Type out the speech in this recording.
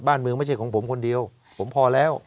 บ้านเมืองไม่ใช่ของผมคนเดียวผมพอแล้ว